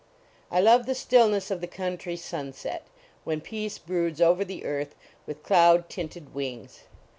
I love the stillness of the country sunset, when peace brood^ over the earth with cloud tinted wings.